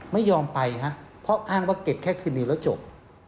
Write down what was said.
ไม่ยอมไปฮะเพราะอ้างว่าเก็บแค่คืนนี้แล้วจบ